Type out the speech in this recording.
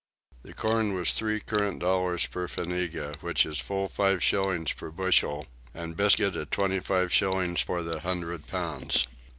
The corn was three current dollars per fanega, which is full five shillings per bushel; and biscuit at twenty five shillings for the hundred pounds.